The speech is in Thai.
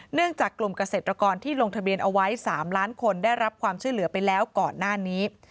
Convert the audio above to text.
จากกลุ่มเกษตรกรที่ลงทะเบียนเอาไว้๓ล้านคนได้รับความช่วยเหลือไปแล้วก่อนหน้านี้